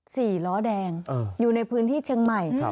สี่ล้อแดงอยู่ในพื้นที่เชียงใหม่ครับ